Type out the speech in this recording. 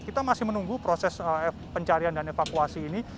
kita masih menunggu proses pencarian dan evakuasi ini